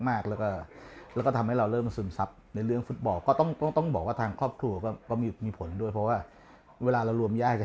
เยอะก็แล้วก็ทำให้เราเริ่มมันส่งทรัพย์ในเรื่องฟุตบอลก็ต้องเป็นต้องบอกว่าครอบครัวก็ไม่มีผลด้วยเพราะว่าเวลารวมย่ายกัน